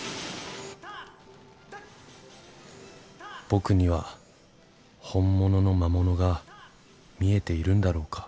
僕には本物の魔物が見えているんだろうか。